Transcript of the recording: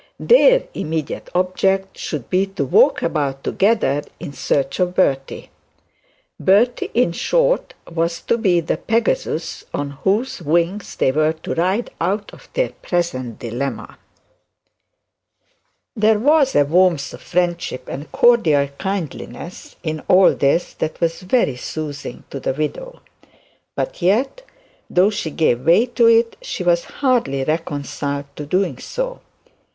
Their immediate object should be to walk about together in search of Bertie. Bertie, in short, was to be the Pegasus on whose wings they were to ride out of their present dilemma. There was a warmth of friendship and cordial kindness in all this, that was very soothing to the widow; but yet, though she gave way to it, she was hardly reconciled to doing so.